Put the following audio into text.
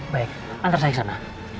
baik antar saya ke sana